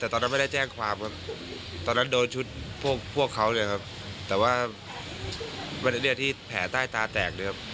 ตอนนั้นโดนชุดพวกเขาเนี่ยครับแต่ว่าเมื่อนี้ที่แผ่ใต้ตาแตกเนี่ยครับ